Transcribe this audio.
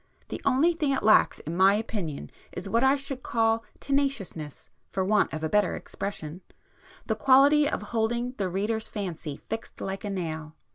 The only thing it lacks in my opinion is what I should call tenaciousness, for want of a better expression,—the quality of holding the reader's fancy fixed like a nail.